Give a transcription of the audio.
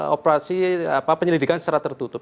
operasi penyelidikan secara tertutup